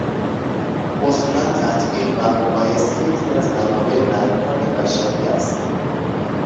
اصولاً تطبیق و مقایسه یکی از منابع معرفت بشری است